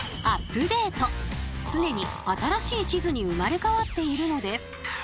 常に新しい地図に生まれ変わっているのです。